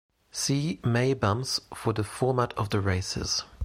See May Bumps for the format of the races.